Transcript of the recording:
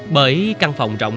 bởi căn phòng rộng